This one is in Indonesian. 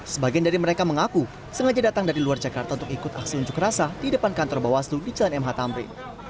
sebagian dari mereka mengaku sengaja datang dari luar jakarta untuk ikut aksi unjuk rasa di depan kantor bawaslu di jalan mh tamrin